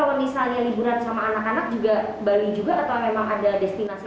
kalau misalnya liburan sama anak anak juga bali juga atau memang ada destinasi